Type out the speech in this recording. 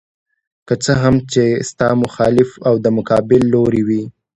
که څه هم چې ستا مخالف او د مقابل لوري وي.